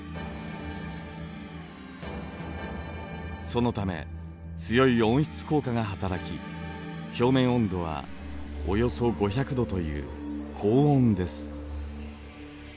そのため強い温室効果が働き表面温度はおよそ５００度という高温です。